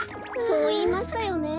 そういいましたよね。